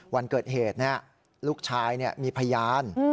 วันเกิดเหตุเนี่ยลูกชายเนี่ยมีพยาน